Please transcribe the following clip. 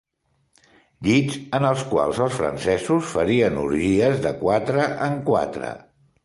Llits en els quals els francesos farien orgies de quatre en quatre.